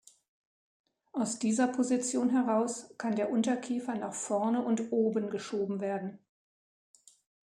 Aus dieser Position heraus kann der Unterkiefer nach vorne und oben geschoben werden.